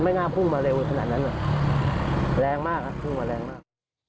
แรงมากพุ่งมาแรงมาก